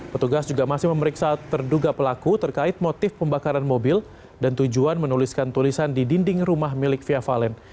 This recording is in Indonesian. petugas juga masih memeriksa terduga pelaku terkait motif pembakaran mobil dan tujuan menuliskan tulisan di dinding rumah milik via valen